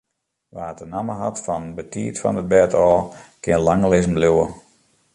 Wa't de namme hat fan betiid fan 't bêd ôf, kin lang lizzen bliuwe.